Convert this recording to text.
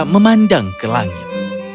memandang ke langit